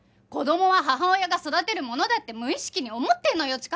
子供は母親が育てるものだって無意識に思ってんのよ